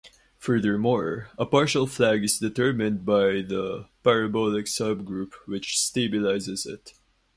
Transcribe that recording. Furthermore, a partial flag is determined by the parabolic subgroup which stabilizes it.